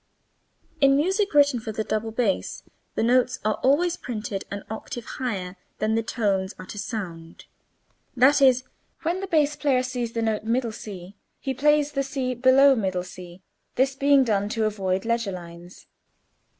In music written for double bass the notes are always printed an octave higher than the tones are to sound: that is, when the bass player sees the note [Illustration: c] he plays [Illustration: C] this being done to avoid leger lines.